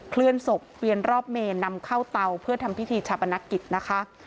เคลื่อนศพเวียนรอบเมนนำเข้าเตาเพื่อทำพิธีชาปนกิจนะคะ